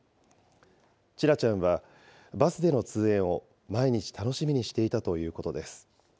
千奈ちゃんは、バスでの通園を毎日楽しみにしていたということです。